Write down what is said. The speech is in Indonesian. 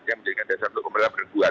dia menjadikan dasar untuk pemerintah berbuat